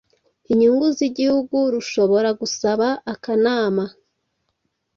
inyungu z igihugu rushobora gusaba akanama